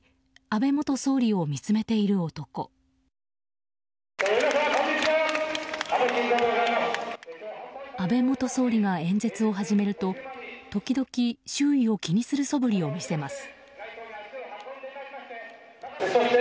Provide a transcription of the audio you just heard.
安倍元総理が演説を始めると時々周囲を気にするそぶりを見せます。